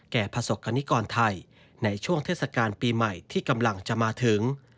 ประสบกรณิกรไทยในช่วงเทศกาลปีใหม่ที่กำลังจะมาถึง